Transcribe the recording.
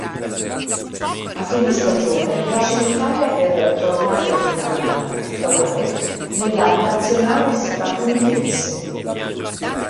A fine stagione, lascia l'Italia, per tornare a giocare da titolare nella nazionale statunitense.